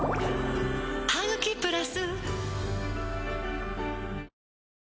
「ハグキプラス」